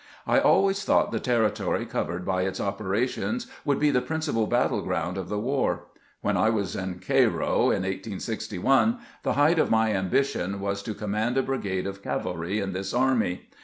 I always thought the territory covered by its operations would be the principal battle ground of the war. When I was at Cairo, in 1861, the height of my ambition was to command a brigade of cavalry in this army.